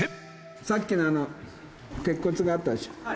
さっきのあの鉄骨があったでしょ。